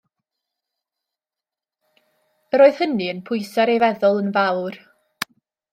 Yr oedd hynny yn pwyso ar ei feddwl yn fawr.